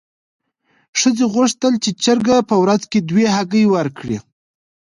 ښځې غوښتل چې چرګه په ورځ کې دوه هګۍ ورکړي.